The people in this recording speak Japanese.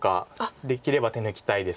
できれば手抜きたいですか。